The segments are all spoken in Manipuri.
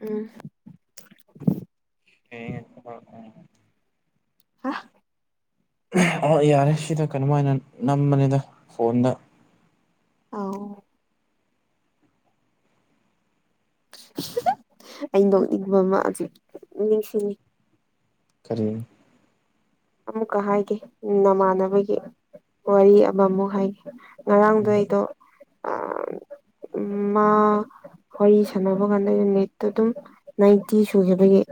ꯎꯝ ꯍ ꯍꯥ ꯑ ꯌꯥꯔꯦ ꯁꯤꯗ ꯀꯩꯅꯝ ꯍꯥꯏꯅ ꯅꯝꯕꯅꯤꯗ ꯐꯣꯟꯗ ꯑꯥꯎ ꯑ ꯅꯣꯛꯅꯤꯡꯕ ꯑꯃ ꯍꯧꯛ ꯅꯤꯡꯁꯤꯡꯉ ꯀꯔꯤ ꯑꯃꯨꯛꯀ ꯍꯥꯏꯒꯦ ꯅꯃꯥꯟꯅꯕꯒꯤ ꯋꯥꯔꯤ ꯑꯃꯃꯨꯛ ꯍꯥꯏꯒꯦ ꯉꯔꯥꯡꯗꯣ ꯑꯩꯗꯣ ꯎ ꯃꯥ ꯋꯥꯔꯤ ꯁꯥꯟꯅꯕ ꯀꯥꯟꯗ ꯌ ꯃꯤꯠꯇꯣ ꯑꯗꯨꯝ ꯅꯥꯏꯟꯇꯤ ꯁꯨꯈꯤꯕꯒꯤ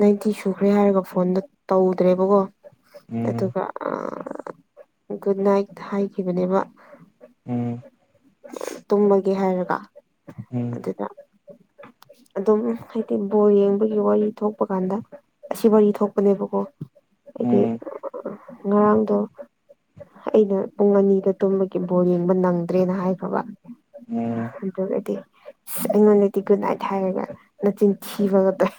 ꯅꯥꯏꯟꯇꯤ ꯁꯨꯈ꯭ꯔꯦ ꯍꯥꯏꯔꯒ ꯐꯣꯟꯗꯣ ꯇꯧꯗ꯭ꯔꯦꯕꯀꯣ ꯎꯝ ꯑꯗꯨꯒ ꯒꯨꯗ ꯅꯥꯏꯠ ꯍꯥꯏꯈꯤꯕꯅꯦꯕ ꯎꯝ ꯇꯨꯝꯃꯒꯦ ꯍꯥꯏꯔꯒ ꯎꯝ ꯑꯗꯨꯗ ꯑꯗꯨꯝ ꯍꯥꯏꯗꯤ ꯕꯣꯔ ꯌꯦꯡꯕꯒꯤ ꯋꯥꯔꯤ ꯊꯣꯛꯄ ꯀꯥꯟꯗ ꯑꯁꯤ ꯋꯥꯔꯤ ꯊꯣꯛꯄꯅꯦꯕꯀꯣ ꯍꯥꯏꯗꯤ ꯎꯝ ꯉꯔꯥꯡꯗꯣ ꯑꯩꯅ ꯄꯨꯡ ꯑꯅꯤꯗ ꯇꯨꯝꯕꯒꯤ ꯕꯣꯔ ꯌꯦꯡꯕ ꯅꯪꯗ꯭ꯔꯦꯅ ꯍꯥꯏꯈꯕ ꯎꯝ ꯑꯗꯨꯗ ꯑꯗꯨꯗꯤ ꯑ ꯑꯩꯉꯣꯟꯗꯗꯤ ꯒꯨꯗ ꯅꯥꯏꯠ ꯍꯥꯏꯔꯒ ꯅꯆꯤꯟ ꯊꯤꯕꯒꯗꯣꯏ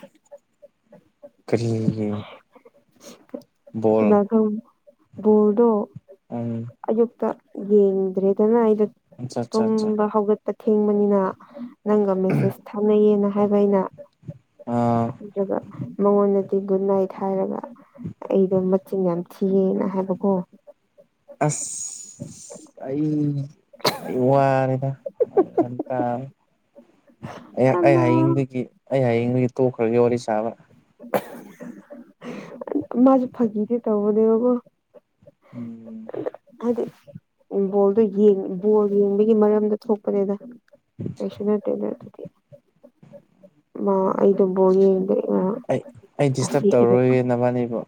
ꯀꯔꯤꯒꯤ ꯕꯣꯜ ꯅꯒꯥ ꯣꯜꯗꯣ ꯎꯝ ꯑꯌꯨꯛꯇꯛꯇ ꯌꯦꯡꯗ꯭ꯔꯦꯗꯅ ꯑꯩꯗ ꯑꯆꯥ ꯑꯆꯥ ꯑꯆꯥ ꯇꯨꯝꯕ ꯍꯧꯒꯠ ꯑꯊꯦꯡꯕꯅꯤꯅ ꯅꯪꯒ ꯃꯦꯁꯦꯁ ꯊꯥꯅꯩꯌꯦꯅ ꯍꯥꯏꯕ ꯑꯩꯅ ꯑꯥ ꯑꯗꯨꯒ ꯃꯉꯣꯟꯗꯗꯤ ꯒꯨꯗ ꯅꯥꯏꯠ ꯍꯥꯏꯔꯒ ꯑꯩꯗꯣ ꯃꯆꯤꯟ ꯌꯥꯝ ꯊꯤꯌꯦꯅ ꯍꯥꯏꯕꯀꯣ ꯑꯁ ꯑꯩ ꯑꯩ ꯋꯥꯔꯦꯗ ꯇ ꯑꯩ ꯑꯩ ꯑꯃ ꯍꯌꯦꯡꯗꯨꯗꯒꯤ ꯑꯩ ꯍꯌꯦꯡꯗꯨꯗꯒꯤ ꯇꯣꯛꯈ꯭ꯔꯒꯦ ꯋꯥꯔꯤ ꯁꯥꯕ꯭ꯔꯥ ꯃꯥꯁꯨꯦ ꯐꯥꯀꯤꯗꯤꯦ ꯇꯧꯕꯅꯦꯕꯀꯣ ꯎꯝ ꯍꯥꯏꯗꯤ ꯕꯣꯜꯗꯣ ꯕꯣꯜ ꯌꯦꯡꯕꯒꯤ ꯃꯔꯝꯗ ꯊꯣꯛꯄꯅꯦꯗ ꯐꯩꯁꯅꯠꯇꯦꯅꯗꯤ ꯑꯩ ꯑꯗꯨꯝꯕꯨꯥꯎ ꯌꯦꯡꯗ ꯑꯩ ꯑꯩ ꯑꯁꯤ ꯗꯤꯁꯇꯔꯕ ꯑꯩ ꯇꯧꯔꯔꯣꯏꯒꯦ ꯅꯕꯥꯅꯤꯕꯨ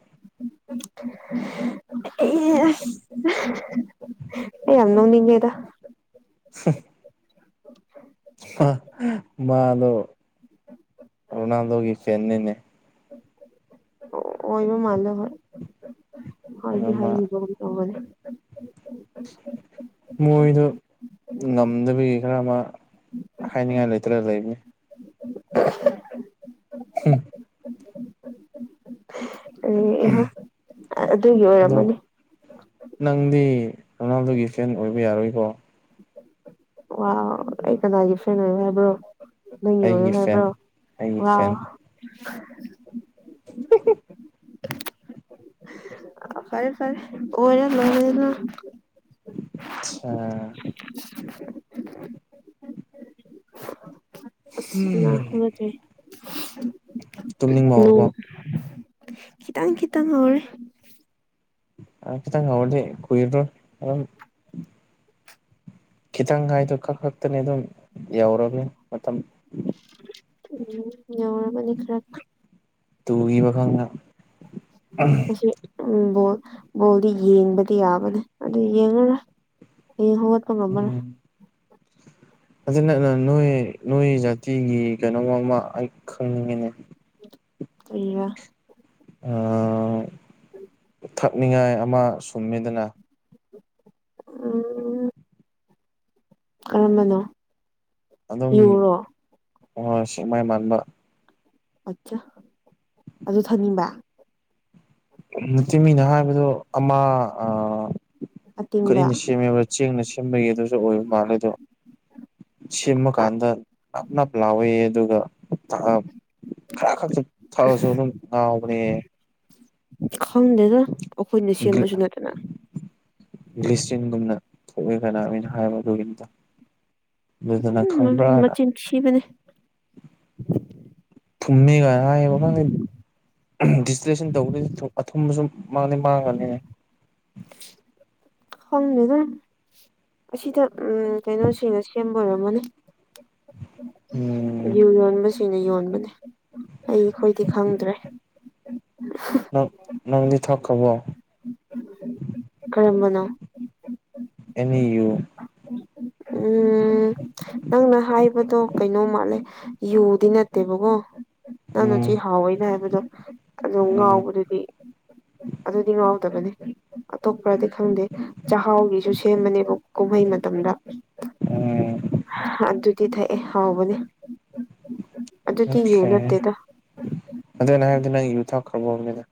ꯑꯦ ꯑꯦ ꯌꯥꯝꯅꯣꯅꯤꯡꯦꯗ [unintelligible] ꯎ ꯃꯥꯗꯣ ꯔꯣꯅꯥꯜꯗꯣꯒꯤ ꯆꯦꯟꯅꯩꯅꯦ ꯑꯣꯏꯕ ꯃꯜ ꯍ ꯑꯗꯣ ꯍꯗꯤ ꯃꯥ ꯍꯥꯏꯕꯦ ꯃꯣꯏꯗ ꯉꯝꯗꯕꯤꯒꯤ ꯈꯔ ꯑꯃ ꯍꯥꯏꯅꯤꯡꯉꯥꯏ ꯂꯩꯇ ꯂꯩ ꯂꯩꯕꯅꯤ ꯍꯝ ꯑꯦ ꯏꯍꯥ ꯑꯗꯨꯒꯤ ꯑꯗꯣ ꯑꯣꯏꯔꯝꯃꯅꯤ ꯅꯪꯗꯤ ꯔꯣꯅꯥꯜꯗꯣꯒꯤ ꯐꯦꯟ ꯑꯣꯏꯕ ꯌꯥꯔꯣꯏꯀꯣ ꯋꯥ ꯑꯩ ꯀꯗꯥ ꯌꯁꯅ ꯍꯥꯏꯕ꯭ꯔꯣ ꯅ ꯑꯣꯏꯣ ꯑꯩꯒꯤ ꯐꯦꯟ ꯍꯥꯏꯕ꯭ꯔꯣ ꯑꯩꯒꯤ ꯋꯥ ꯐꯦꯟ ꯐꯔꯦ ꯐꯔꯦ ꯑꯣꯔ ꯂꯅ ꯑꯆꯥ ꯎ ꯍꯠꯇꯦ ꯇꯨꯝꯅꯤꯡꯕꯕ ꯈꯤꯇꯪ ꯈꯤꯇꯪ ꯍꯧꯔꯦ ꯑꯦꯇꯪꯗꯤ ꯀꯏꯔꯣ ꯑ ꯈꯤꯇꯪ ꯍꯥꯏꯗꯣ ꯈꯔ ꯈꯛꯇꯅꯤ ꯑꯗꯨꯝ ꯌꯧꯔꯒꯅꯤ ꯃꯇꯝ ꯎꯝ ꯌꯥꯎꯔꯕꯨꯅꯤ ꯈꯔ ꯇꯨꯒꯤ ꯋꯥꯈꯪꯅ ꯑꯁ ꯎꯝꯣꯜ ꯕꯣꯜꯗꯤ ꯌꯦꯡꯕꯗꯤ ꯌꯥꯕꯅꯦ ꯑꯗꯨ ꯌꯦꯡꯉꯔ ꯍ ꯍ ꯇ ꯃꯃꯔ [unintelligible] ꯑꯗꯨ ꯅ ꯅꯣꯏ ꯅꯣꯏ ꯖꯥꯇꯤꯒꯤ ꯀꯩꯅꯣ ꯑꯃ ꯑꯩ ꯈꯪꯅꯤꯡꯉꯤꯅꯦ ꯑꯌꯥ ꯑ ꯀꯛꯅꯤꯡꯉꯥꯏ ꯑꯃ ꯁꯨꯝꯃꯦꯗꯅ ꯑ [unintelligible] [inaudible] ꯀꯔꯝꯕꯅꯣ ꯑꯗꯨꯝ ꯌꯨꯔꯣ ꯁꯦꯛꯃꯥꯏ ꯃꯥꯟꯕ ꯑꯆꯥ ꯑꯗꯨ ꯊꯅꯤꯡꯕ ꯆꯃꯤꯅ ꯍꯥꯏꯕꯗꯣ ꯑꯃ ꯑꯇꯤꯡꯕ ꯀꯔꯤꯅ ꯁꯦꯝꯃꯦꯕ꯭ꯔꯥ ꯆꯦꯡꯅ ꯁꯦꯝꯕꯒꯤ ꯑꯗꯨꯁꯨ ꯑꯣꯏꯕ ꯃꯥꯜꯂꯦ ꯑꯗꯣ ꯁꯤꯃꯀꯥꯟꯗꯞꯅ ꯄꯂꯑꯣ ꯑꯗꯨꯒ ꯈꯔ ꯈꯛꯇ ꯊꯛꯑꯁꯨ ꯑꯗꯨꯝ ꯉꯥꯎꯕꯅꯦ ꯈꯪꯗꯦꯅ ꯑꯩꯈꯣꯏꯅ ꯁꯦꯝꯕꯁꯨ ꯅꯠꯇꯅ ꯂꯤꯁꯟꯒꯨꯝꯅ ꯊꯣꯛꯑꯦ ꯀꯅꯥꯅ ꯍꯥꯏꯕ ꯑꯗꯨꯒꯤꯇ ꯎꯝ ꯃꯆꯤꯟ ꯁꯤꯕꯅꯦ ꯊꯨꯝꯃꯤꯒꯕ ꯗꯤꯖꯤꯇꯂꯦꯁꯟ ꯇꯧꯕꯗꯗꯤ ꯑꯊꯨꯝꯕꯁꯨ ꯃꯥꯡꯅꯤ ꯃꯥꯡꯒꯅꯤ ꯍꯪ ꯃꯦꯗꯥꯝ ꯑꯁꯤꯗ ꯎ ꯀꯩꯅꯣꯁꯤꯅ ꯁꯦꯝꯕ ꯑꯣꯏꯔꯝꯃꯣꯅꯦ ꯎꯝ ꯌꯨ ꯌ [inaudible] ꯁꯤꯅ ꯌꯣꯟꯕꯅꯦ ꯑꯩ ꯑꯩꯈꯣꯏꯗꯤ ꯈꯪꯗ꯭ꯔꯦ ꯅꯪ ꯅꯪ ꯊꯣꯛ ꯀꯕ ꯎꯝꯝꯝ ꯑꯌꯣ ꯎꯝ ꯅꯪꯅ ꯍꯥꯏꯕꯗꯣ ꯀꯩꯅꯣ ꯃꯥꯜꯂꯦ ꯌꯨꯗꯤ ꯅꯠꯇꯦꯕꯀꯣ ꯅꯪꯅꯆꯦ ꯎꯝ ꯍꯥꯎꯋꯦꯅꯦ ꯍꯥꯏꯕꯗꯣ ꯀꯩꯅꯣꯝ ꯎꯝ ꯉꯥꯎꯕꯗꯨꯗꯤ ꯑꯗꯨꯗꯤ ꯉꯥꯎꯗꯕꯅꯦ ꯑꯇꯣꯞꯄꯗꯤ ꯈꯪꯗꯦ ꯆꯥꯛꯍꯥꯎꯒꯤꯁꯨ ꯁꯦꯝꯕꯅꯦꯕ ꯀꯨꯝꯍꯩ ꯃꯇꯝꯗ ꯎꯝ ꯑꯗꯨꯗꯤ ꯊꯩ ꯑꯦ ꯍꯕꯅꯦ ꯑ ꯑꯗꯨꯗ ꯅꯍꯗꯅ ꯌꯨ ꯊꯥꯎ ꯈꯕꯣꯅꯤꯗ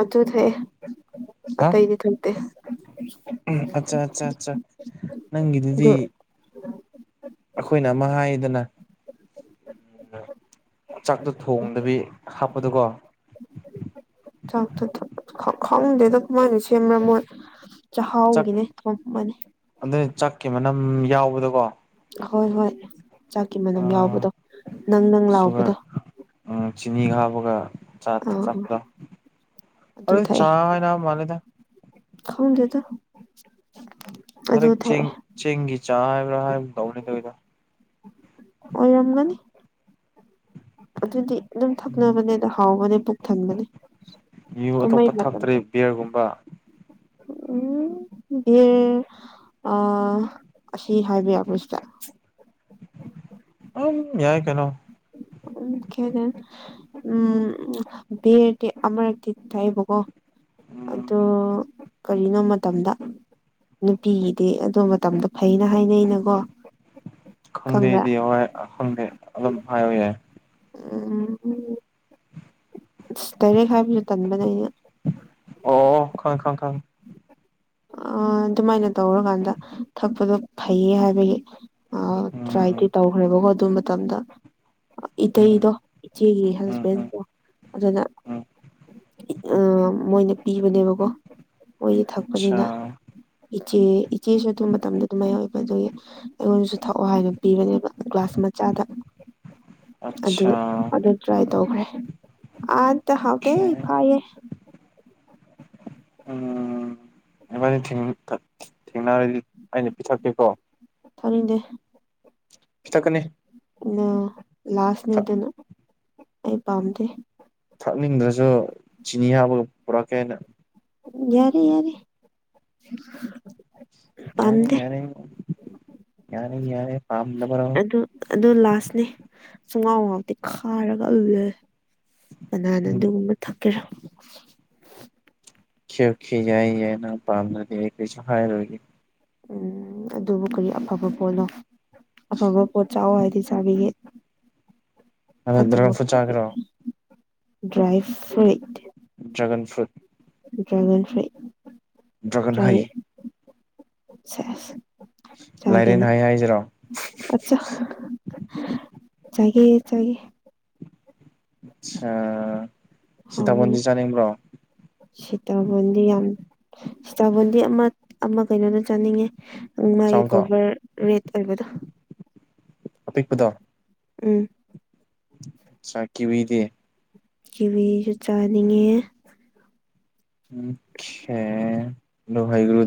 ꯑꯗꯨ ꯊꯦ ꯍꯥ ꯑꯇꯩ ꯏꯗꯤ ꯊꯇꯦ ꯎꯝ ꯑꯠꯆꯥ ꯑꯠꯆꯥ ꯑꯠꯆꯥ ꯑꯗꯨ ꯅꯪꯒꯤꯗꯨꯗꯤ ꯑꯩꯈꯣꯏꯅ ꯑꯃ ꯍꯥꯏꯗꯅ ꯆꯥꯛꯇꯣ ꯊꯣꯡꯗꯕꯤ ꯍꯥꯞꯄꯗꯨꯀꯣ ꯆꯥꯛ ꯈꯗꯦꯗ ꯀꯃꯥꯏꯅꯁꯤ ꯃꯔ ꯃꯣꯟ ꯆꯥꯛꯍꯥꯎꯒꯤꯅꯦ ꯊꯝ ꯑꯃꯅꯤꯅꯤ ꯀꯦ ꯃꯅꯝ ꯌꯥꯎꯕꯗꯀꯣ ꯑ ꯍꯣꯏ ꯍꯣꯏ ꯆꯥꯛꯀꯤ ꯃꯅꯝ ꯌꯥꯎꯕꯗꯣ ꯅꯪ ꯅꯪ ꯂꯥꯎꯕꯗꯣ ꯆꯤꯅꯤ ꯍꯥꯞꯄꯒ ꯆꯥꯛ ꯊ ꯑꯥ ꯑꯥ ꯆꯗ ꯆꯥ ꯍꯅ ꯃꯥꯜꯂꯤꯦꯗ ꯈꯥꯎꯟꯗꯦꯇ ꯍꯟꯗꯛ ꯆꯦꯡ ꯆꯦꯡꯒꯤ ꯆꯥ ꯍꯥꯏꯕ꯭ꯔꯥ ꯍꯥꯏꯕ ꯇꯧꯅꯦ ꯇꯗ ꯑꯣꯏ ꯌꯥꯝꯝꯒꯅꯤ ꯇꯞ ꯊꯪꯗꯦ ꯌꯨ ꯑꯇꯣꯞꯄ ꯊꯇ꯭ꯔꯦ ꯕꯤꯌꯔꯒꯨꯝꯕ ꯎꯝ ꯌꯦꯦ ꯑ [inaudible] ꯁ ꯍꯥꯏ ꯑꯕꯁꯥ ꯑ ꯌꯥꯏ ꯀꯩꯅꯣ ꯎ ꯀꯦꯅꯦ ꯎꯝ ꯔꯗꯤ ꯑꯃꯔꯛꯇꯤ ꯇꯥꯏꯕꯀꯣ ꯎꯝ ꯑꯗꯣ ꯀꯔꯤꯅꯣ ꯃꯇꯝꯗ ꯅꯨꯄꯤꯒꯤꯗꯤ ꯑꯗꯨ ꯃꯇꯝꯗꯣ ꯐꯩꯅ ꯍꯥꯏꯅꯩꯅꯀꯣ ꯈꯪꯕ꯭ꯔꯥ ꯈꯟꯗꯦꯗꯤ ꯍ ꯈꯟꯗꯦ ꯑꯞ ꯍꯥꯏꯥꯏ ꯑꯣꯏ ꯌꯥꯦ ꯎꯝ ꯇꯔꯦ ꯍꯥꯏꯕꯁꯨ ꯇꯟꯕꯅꯦ ꯑꯩꯅ ꯑ [unintelligible] [inaudible] ꯑ ꯑꯗꯨꯃꯥꯏꯅ ꯇꯧꯔꯀꯥꯟꯗ ꯊꯛꯄꯗꯣ ꯐꯩꯌꯦ ꯍꯥꯏꯕꯒꯤ ꯑ ꯎꯝ ꯇ꯭ꯔꯥꯏꯗꯤ ꯇꯧꯈ꯭ꯔꯦꯕꯀꯣ ꯑꯗꯨ ꯃꯇꯝꯗ ꯏꯇꯩꯗꯣ ꯎꯝ ꯏꯆꯦꯒꯤ ꯎꯝ ꯎꯝ ꯍꯁꯕꯦꯟꯗꯣ ꯑꯗꯨꯅ ꯎꯝ ꯑ ꯃꯣꯏꯅ ꯄꯤꯕꯅꯦꯕꯀꯣ ꯃꯣꯏꯗꯤ ꯑꯆꯥ ꯊꯛꯄꯅꯤꯅ ꯏꯆꯦ ꯏꯆꯦꯁꯨ ꯑꯗꯨꯕ ꯃꯇꯝꯗ ꯑꯗꯨꯝꯥꯏꯌꯎꯋꯦꯕ ꯑꯗꯨꯒꯤ ꯑꯩꯉꯣꯟꯁꯨ ꯊꯛꯑꯣ ꯍꯥꯏꯅ ꯄꯤꯕꯅꯦꯕ ꯒ꯭ꯂꯥꯁ ꯃꯆꯥꯗ ꯑꯗꯨ ꯑꯗꯨ ꯇ꯭ꯔꯥꯏ ꯇꯧꯈ꯭ꯔꯦ ꯑꯠꯇ ꯍꯥꯎ ꯇ ꯑꯣꯀꯦ ꯀꯥꯏꯌꯦ ꯎꯝ ꯏꯃꯅ ꯊꯦꯡꯅꯔꯗꯤ ꯑꯩꯅ ꯄꯤꯊꯛꯀꯦꯀꯣ ꯊꯔꯗꯦ ꯄꯤꯊꯛꯀꯅꯤ ꯑ ꯊꯛ ꯂꯥꯁꯅꯦꯗꯅ ꯑꯩ ꯄꯥꯝꯗꯦ ꯀꯛꯅꯤꯡꯗ꯭ꯔꯁꯨ ꯆꯤꯅꯤ ꯍꯥꯞꯄꯒ ꯄꯨꯔꯛꯀꯦ ꯍꯥꯏꯅ ꯌꯥꯔꯦ ꯌꯥꯔꯦ ꯌꯥꯅꯤ ꯄꯥꯝꯗꯦ ꯌꯥꯔ ꯌꯥ ꯌꯥꯔꯦ ꯐꯥꯝ ꯑꯗꯨ ꯑꯗꯨ ꯂꯥꯁꯅꯦ ꯁꯣꯡꯒꯥꯎ ꯉꯥꯎꯇꯤ ꯈꯥꯔꯒ ꯎꯂꯦ ꯀꯅꯥꯅ ꯎꯝ ꯑꯗꯨꯒꯨꯝꯕ ꯊꯛꯀꯦꯔꯣ ꯈꯈꯤ ꯌꯥꯏ ꯌꯥꯅ ꯄꯝꯅꯁꯨ ꯍꯥꯏ ꯎꯝ ꯑꯗꯨꯕꯨ ꯀꯔꯤ ꯑꯐꯕ ꯄꯣꯠꯂꯣ ꯑꯐꯕ ꯄꯣꯠ ꯆꯥꯎꯥꯑꯣ ꯍꯥꯏꯗꯤ ꯆꯥꯕꯤꯒꯦ ꯑ ꯗ꯭ꯔꯒ ꯐꯠꯇꯕ ꯐ ꯄꯣꯠ ꯆꯥꯒ꯭ꯔꯣ dry fruit dragon fruit dragon ꯐꯥꯏ ꯗ꯭ꯔꯒꯟ ꯍꯩ ꯁꯦ ꯂꯥꯏꯔꯦꯟ ꯆꯒꯦꯅ ꯍꯩ ꯍꯥꯏꯁꯤꯔꯣ ꯑꯆꯥ ꯆꯒꯦ ꯆꯒꯦ ꯑꯆꯥ ꯁꯤꯇꯥꯕꯟꯗꯤ ꯆꯅꯤꯡꯕ꯭ꯔꯣ ꯁꯤꯇꯕꯣꯟꯗꯤ ꯌꯥꯝ ꯁꯤꯇꯕꯣꯟꯗꯤ ꯑꯃ ꯑꯃ ꯀꯩꯅꯣꯗ ꯆꯥꯅꯤꯡꯉꯦ ꯃꯥꯒꯤ ꯆꯥꯎꯗꯣ ꯒꯣꯕꯔ ꯔꯦꯠ ꯑꯣꯏꯕꯗꯣ ꯑꯄꯤꯛꯄꯗꯣ ꯎꯝ ꯆꯀꯤꯕꯨꯗꯤ ꯀꯚꯁꯨ ꯆꯥꯅꯤꯡꯉꯦ ꯑꯦ ꯋꯥꯍꯤꯒꯨꯔꯨ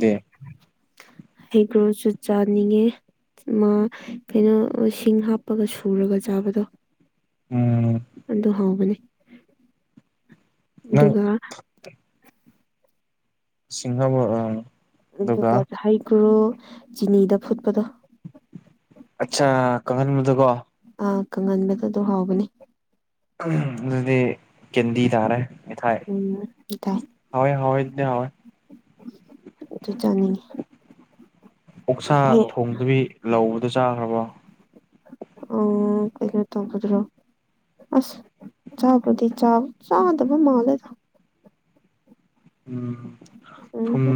ꯍꯩꯒ꯭ꯔꯣꯁꯨ ꯆꯥꯅꯤꯡꯉꯦ ꯃꯥ ꯀꯩꯅꯣ ꯁꯤꯡ ꯍꯥꯞꯄꯒ ꯁꯨꯔꯒ ꯆꯥꯕꯗꯣ ꯎꯝ ꯑꯗꯨ ꯍꯧꯕꯅꯦ ꯅꯪ ꯑꯗꯨꯒ ꯁꯤꯡꯍꯥꯕ ꯑ ꯑꯗꯨꯒ ꯍꯩꯀ꯭ꯔꯣ ꯆꯤꯅꯤꯗ ꯐꯨꯠꯄꯗꯣ ꯑꯆꯥ ꯀꯪꯍꯟꯕꯗꯀꯣ ꯑꯥ ꯀꯪꯍꯟꯕꯗ ꯑꯗꯨ ꯍꯥꯎꯕꯅꯤ ꯑꯗꯨꯗꯤ ꯀꯗꯤ ꯊꯔꯦ ꯃ ꯊꯥꯏ ꯎꯝ ꯇꯥꯏ ꯍ ꯍ ꯏ ꯍ ꯑꯗꯨ ꯆꯥꯅꯤꯡꯉ ꯑꯣꯛꯁꯥ ꯊꯣꯡꯗꯨꯕꯤ ꯂꯧꯕꯗ ꯆꯥꯈ꯭ꯔꯕꯣ ꯑꯣ ꯏꯩꯅ ꯇꯝꯕꯗꯔꯣ ꯑꯁ ꯆꯥꯕꯗꯤ ꯆꯥ ꯆꯥꯗꯕ ꯃꯥꯜꯦꯗ ꯎꯝ ꯊꯨꯝ ꯎꯝꯍꯨꯝ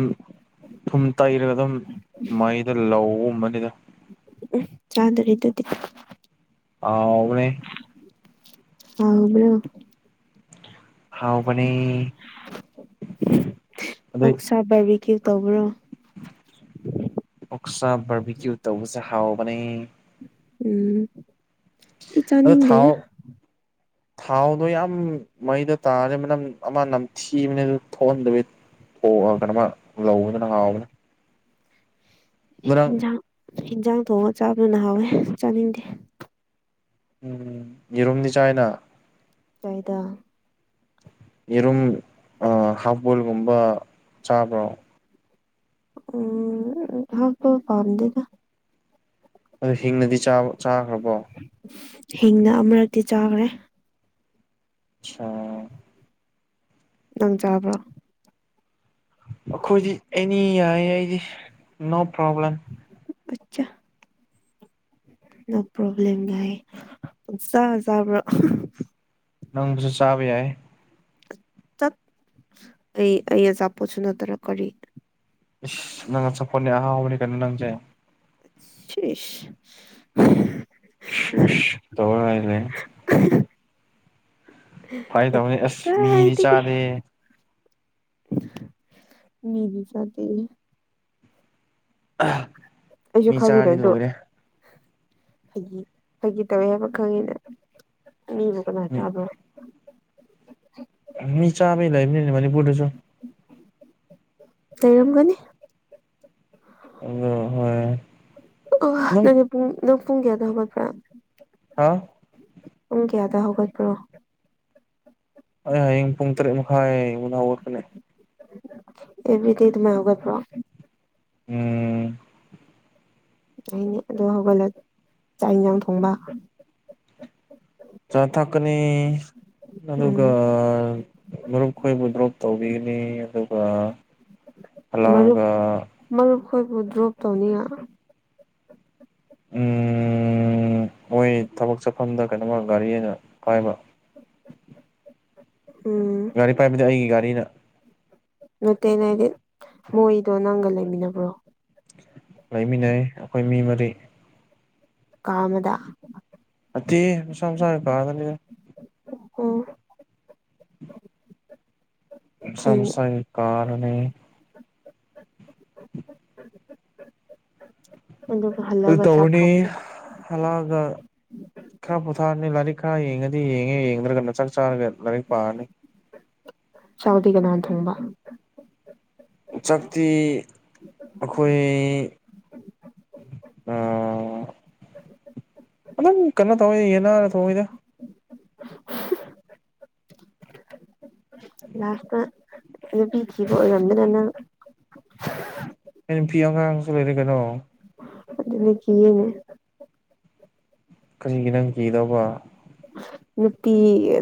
ꯊꯨꯝ ꯇꯩꯔꯒ ꯑꯗꯨꯝ ꯃꯩꯗ ꯂꯧꯒꯨꯝꯕꯅꯤ ꯎꯝ ꯆꯥꯗꯔꯤꯦ ꯑꯗꯨꯗꯤ ꯑꯥ ꯑꯣꯕꯅꯦ ꯍꯥꯎꯕ꯭ꯔꯣ ꯍꯥꯎꯥꯎꯕ ꯑꯗ ꯑꯣꯛꯁꯥ ꯕꯥꯔꯕꯤꯀ꯭ꯌꯨ ꯇꯧꯕ꯭ꯔꯣ ꯑꯣꯛꯁꯥ ꯕꯔꯕꯤꯀ꯭ꯌꯨ ꯇꯧꯕꯁꯦ ꯍꯥꯎꯕꯅꯦ ꯎꯝ ꯏ ꯑꯗꯣ ꯊꯥꯎ ꯆꯥꯅꯤꯡꯗꯦꯅ ꯊꯥꯎꯗꯣ ꯌꯥꯝ ꯃꯩꯗ ꯇꯥꯔꯦ ꯃꯅꯝ ꯑꯃ ꯅꯝꯊꯤꯕꯅꯦ ꯑꯗꯨ ꯊꯣꯛꯍꯟꯗꯕꯤ ꯑꯣ ꯀꯅ ꯃꯥ ꯂꯎꯗꯅꯉꯎꯕꯅ ꯭ꯔꯪ ꯏꯟꯁꯥꯡ ꯊꯣꯡꯉ ꯆꯥꯕꯗꯨꯅ ꯍꯥꯎꯋꯦ ꯆꯥꯅꯤꯡꯗꯦ ꯎꯝ ꯌꯦꯔꯨꯝꯅꯤ ꯆꯥꯏꯅ ꯆꯥꯗ ꯌꯦꯔꯨꯝ ꯑ ꯍꯥꯐꯕꯣꯜꯒꯨꯝꯕ ꯆꯥꯕ꯭ꯔꯣ ꯎꯝ ꯍ ꯄꯥꯔꯗꯗ ꯑꯗꯨ ꯍꯤꯡꯅꯗꯤ ꯆꯥꯈ꯭ꯔꯕꯣ ꯍꯤꯡꯅ ꯑꯃꯨꯔꯛꯇꯤ ꯆꯥꯈ꯭ꯔꯦ ꯑꯆꯥꯥ ꯅꯪ ꯆꯥꯕ꯭ꯔꯣ ꯑꯩꯈꯣꯏꯗꯤ ꯑꯦꯅꯤ ꯌꯥꯏ ꯑꯩꯗꯤ ꯅꯣ ꯄ꯭ꯔꯣꯕ꯭ꯂꯦꯝ ꯑꯆꯥ ꯅꯣ ꯄ꯭ꯔꯣꯕ꯭ꯂꯦꯝꯒꯥꯏ ꯄ ꯆꯥ ꯆꯥꯕ꯭ꯔꯣ ꯅꯪꯁꯨ ꯆꯥꯕ ꯌꯥ ꯌꯥꯏ ꯆꯠ ꯑꯩ ꯑꯩ ꯑꯆꯥꯄꯣꯠꯁꯨ ꯅꯠꯇꯅ ꯀꯔꯤ ꯅꯅꯥ ꯑ ꯆꯆꯥꯄꯣꯟꯅꯤ ꯑꯍ ꯍꯕꯅꯤ ꯀꯅ ꯅꯥꯡꯖꯩ ꯁꯤꯁ ꯇꯕꯔꯂꯦ ꯐꯥꯒꯤ ꯇꯧꯕꯅꯤ ꯆꯠꯇ ꯑꯁ ꯃꯤꯗꯤ ꯍꯥꯏꯇꯒꯤ ꯆꯥꯗꯦ ꯃꯤꯗꯨ ꯆ ꯑꯩꯁꯨ ꯃꯤ ꯆꯥꯗꯤ ꯂꯣꯏꯔꯦ ꯐꯒꯤ ꯐꯩꯒꯤ ꯇꯧꯋꯦ ꯍꯥꯏꯕ ꯈꯪꯉꯤꯗ ꯃꯤꯕꯨ ꯀꯅꯥ ꯃꯤ ꯆꯥꯕ꯭ꯔꯣ ꯃꯤ ꯆꯥꯕꯩ ꯂꯩꯅꯤ ꯃꯅꯤ ꯄꯨꯁꯨ ꯇꯩꯔꯝꯒꯅꯤ ꯑꯣ ꯍꯣꯏ ꯑꯣ ꯅꯪ ꯅꯪꯗꯤ ꯄꯨꯡ ꯅꯪ ꯄꯨꯡ ꯀꯌꯥꯗꯣ ꯍꯧꯒꯠꯄ꯭ꯔꯥ ꯍꯥ ꯄꯨꯡ ꯀꯌꯥꯗ ꯍꯧꯒꯠꯄ꯭ꯔꯣ ꯍ ꯍꯌꯦꯡ ꯄꯨꯡ ꯇꯔꯦꯠ ꯃꯈꯥꯏ ꯃꯅꯥ ꯑꯣꯠꯀꯅꯦ ꯑꯦꯕꯤꯗꯤ ꯇꯃꯥꯏ ꯍꯧꯒꯄ꯭ꯔꯣ ꯎꯝ ꯌꯥꯅꯤ ꯑꯗꯨ ꯍꯧꯒꯠꯂ ꯆꯥꯛ ꯌꯦꯟꯁꯥꯡ ꯊꯣꯡꯕ ꯆꯥ ꯊꯛꯀꯅꯤ ꯑꯗꯨꯒ ꯎꯝ ꯃꯔꯨꯞ ꯑꯩꯈꯣꯏꯕꯨ ꯗ꯭ꯔꯣꯞ ꯇꯧꯕꯤꯒꯅꯤ ꯑꯗꯨꯒ ꯍꯜꯂꯛꯑꯒ ꯑꯩꯈꯣꯏꯕꯨ ꯗ꯭ꯔꯣꯞ ꯇꯧꯅꯤ ꯎꯝ ꯍꯣꯏ ꯊꯕꯛ ꯆꯠꯐꯝꯗ ꯀꯩꯅꯣꯃ ꯒꯥꯔꯤ ꯑꯅ ꯄꯥꯏꯕ [unintelligible] ꯒꯥꯔꯤ ꯄꯥꯏꯕꯗꯤ ꯑꯩꯒꯤ ꯒꯥꯔꯤꯅ ꯅꯠꯇꯦꯅꯦ ꯍꯥꯏꯗꯤ ꯃꯣꯏꯗꯣ ꯅꯪꯒ ꯂꯩꯃꯤꯟꯅꯕ꯭ꯔꯣ ꯂꯩꯃꯤꯟꯅꯩ ꯑꯩꯈꯣꯏ ꯃꯤ ꯃꯔꯤ ꯀꯥꯃꯗ ꯑꯇꯩ ꯃꯁꯥ ꯃꯁꯥ ꯀꯗꯅꯤꯗ ꯑꯣ [unintelligible] ꯐꯩꯅꯦ ꯁꯁꯣꯏ ꯀꯥꯅꯤ ꯑ ꯑꯗꯨ ꯍꯜꯂꯕꯖꯆꯥ ꯇꯧꯔꯅꯤ ꯈꯕ ꯍꯜꯂꯛꯑꯒ ꯎꯝ ꯈꯔ ꯄꯣꯊꯥꯔꯅꯤ ꯂꯥꯏꯔꯤꯛ ꯈꯔ ꯌꯦꯡꯉꯗꯤ ꯌꯦꯡꯉꯦ ꯌꯦꯡꯗ꯭ꯔꯒꯅ ꯆꯥꯛ ꯆꯥꯔꯒ ꯂꯥꯏꯔꯤꯛ ꯄꯥꯔꯅꯤ ꯁꯥꯎꯗꯤ ꯀꯅꯥ ꯊꯪꯕ ꯆꯥꯛꯇꯤ ꯑꯩꯈꯣꯏ ꯑꯣ ꯑꯗꯨꯀꯟꯅꯣ ꯊꯧꯋꯤ ꯌꯦꯟꯅꯅ ꯊꯣꯡꯉꯤꯗ [unintelligible] ꯂꯥꯁꯇ ꯂꯕꯤꯈꯤꯕ ꯑꯣꯏ ꯌꯥꯝꯅꯤꯅ ꯅꯪ ꯑꯩ ꯅꯨꯄꯤ ꯑꯉꯥꯡꯁꯨ ꯂꯩꯔꯦ ꯀꯩꯅꯣ ꯑꯗꯨꯅ ꯀꯅꯦ ꯀꯔꯤꯒꯤ ꯅꯪ ꯀꯤꯗꯧꯕ ꯅꯨꯄꯤꯤ